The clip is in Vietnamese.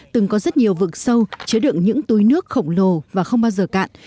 từng có rất nhiều vực sâu chứa đựng những túi nước khổng lồ và không bao giờ cạn